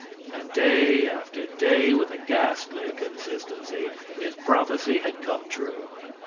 And day after day, with a ghastly consistency, his prophecy had come true.